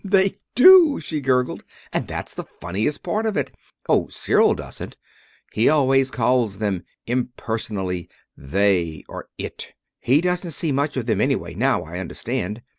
"They do," she gurgled, "and that's the funniest part of it. Oh, Cyril doesn't. He always calls them impersonally 'they' or 'it.' He doesn't see much of them anyway, now, I understand.